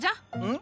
ん？